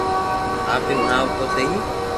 آپ ھي ھڻاو تو سھي